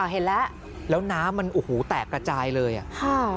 อ๋อเห็นแล้วแล้วน้ำมันแตกกระจายเลยอ่ะ